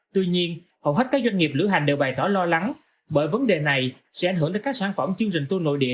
tuy nhiên hầu hết các doanh nghiệp lữ hành đều bày tỏ lo lắng bởi vấn đề này sẽ ảnh hưởng tới các sản phẩm chương trình tour nội địa